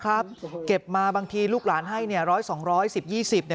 เก็บมาบางทีลูกหลานให้เนี่ยร้อยสองร้อยสิบยี่สิบเนี่ย